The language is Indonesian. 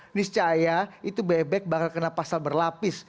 ini secaya itu bebek bakal kena pasal berlapis